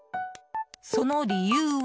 その理由は。